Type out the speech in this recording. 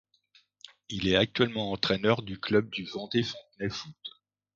Il est actuellement entraîneur du club du Vendée Fontenay Foot.